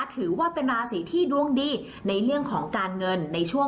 ถือว่าเป็นราศีที่ดวงดีในเรื่องของการเงินในช่วง